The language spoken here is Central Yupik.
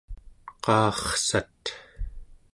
qaarsat